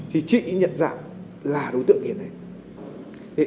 thì chị nhận dạng là đối tượng hiện nay